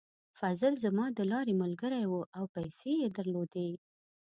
فضل زما د لارې ملګری و او پیسې یې درلودې.